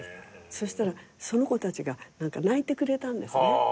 そしたらその子たちが泣いてくれたんですね。